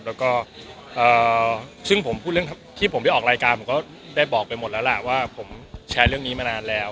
แล้วก็ซึ่งผมพูดเรื่องที่ผมได้ออกรายการผมก็ได้บอกไปหมดแล้วล่ะว่าผมแชร์เรื่องนี้มานานแล้ว